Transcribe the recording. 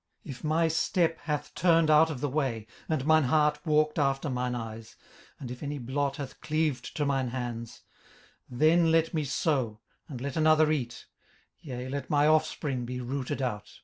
18:031:007 If my step hath turned out of the way, and mine heart walked after mine eyes, and if any blot hath cleaved to mine hands; 18:031:008 Then let me sow, and let another eat; yea, let my offspring be rooted out.